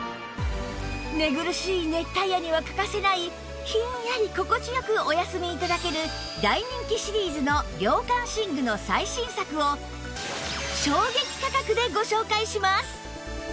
寝苦しい熱帯夜には欠かせないひんやり心地良くお休み頂ける大人気シリーズの涼感寝具の最新作を衝撃価格でご紹介します！